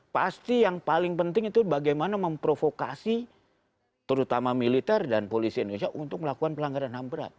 pasti yang paling penting itu bagaimana memprovokasi terutama militer dan polisi indonesia untuk melakukan pelanggaran ham berat